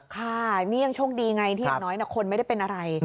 ค่ะนี่ยังโชคดีไงที่อย่างน้อยคนไม่ได้เป็นอะไร